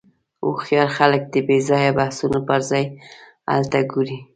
هوښیار خلک د بېځایه بحثونو پر ځای حل ته ګوري.